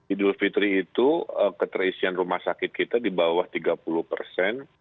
idul fitri itu keterisian rumah sakit kita di bawah tiga puluh persen